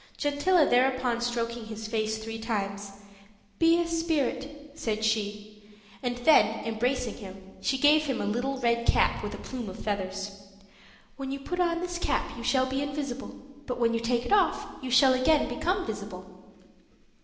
Gentilla thereupon stroking his face three times, "Be a spirit," said she; and then, embracing him, she gave him a little red cap with a plume of feathers. "When you put on this cap you shall be invisible; but when you take it off you shall again become visible."